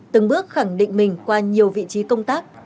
từng bước khẳng định mình qua nhiều vị trí công tác